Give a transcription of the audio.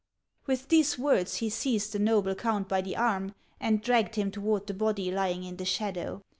With these words, he seized the noble count by the arm and dragged him toward the body lying in the shadow.